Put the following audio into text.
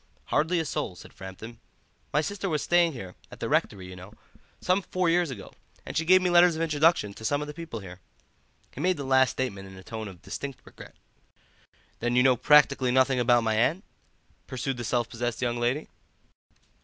"Hardly a soul," said Framton. "My sister was staying here, at the rectory, you know, some four years ago, and she gave me letters of introduction to some of the people here." He made the last statement in a tone of distinct regret. "Then you know practically nothing about my aunt?" pursued the self possessed young lady.